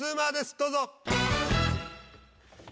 どうぞ。